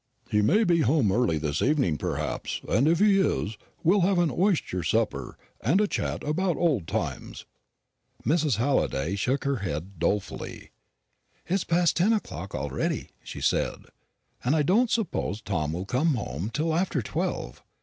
He may be home early this evening, perhaps; and if he is, we'll have an oyster supper, and a chat about old times." Mrs. Halliday shook her head dolefully. "It's past ten o'clock already," she said, "and I don't suppose Tom will be home till after twelve.